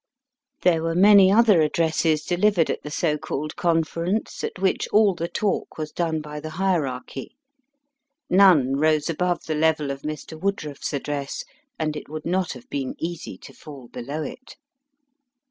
There were many other addresses delivered at the so called Conference, at which all the talk was done by the hierarchy. None rose above the level of Mr. Woodruff's address, and it would not have been easy to fall below it.